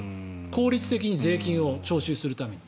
効率的に税金を徴収するために。